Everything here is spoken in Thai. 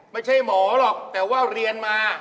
ไม่ใช่หมอหรอกแต่ว่าเรียนมา